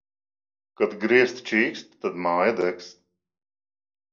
Kad griesti čīkst, tad māja degs.